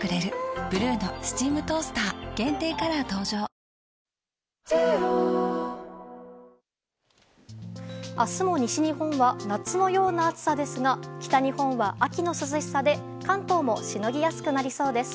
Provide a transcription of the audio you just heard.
暑い日が続いていますけど明日も西日本は夏のような暑さですが北日本は秋の涼しさで関東もしのぎやすくなりそうです。